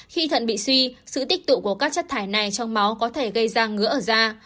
khi thận bị suy sự tích tụ của các chất thải này trong máu có thể gây ra ngứa ở da